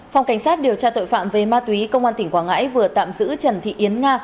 phòng cảnh sát điều tra tội phạm về ma túy công an tỉnh quảng ngãi vừa tạm giữ trần thị yến nga